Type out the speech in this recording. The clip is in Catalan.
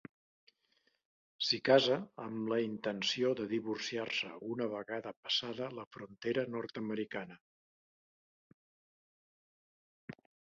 S’hi casa amb la intenció de divorciar-se una vegada passada la frontera nord-americana.